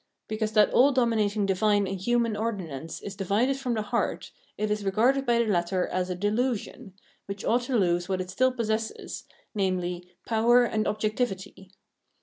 Because that all domi nating diviae and human ordinance is divided from the heart it is regarded by the latter as a delusion, which ought to lose what it still possesses, namely, power and objectivity.